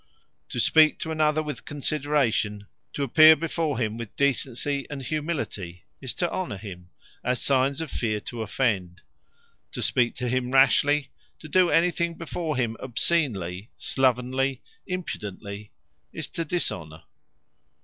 To speak to another with consideration, to appear before him with decency, and humility, is to Honour him; as signes of fear to offend. To speak to him rashly, to do anything before him obscenely, slovenly, impudently, is to Dishonour.